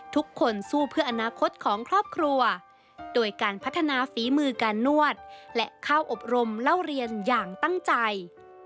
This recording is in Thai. ทุกคนสู้เพื่ออนาคตของครอบครัวโดยการพัฒนาฝีมือการนวดและเข้าอบรมเล่าเรียนอย่างตั้งใจ